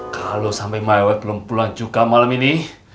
kalau sampai my wap belum pulang juga malam ini